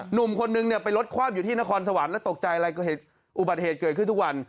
หนุ่มคนนึงเนี่ยไปรถคว่ำอยู่ที่นครสวรรค์แล้วตกใจอะไรก็เหตุอุบัติเหตุเกิดขึ้นทุกวัน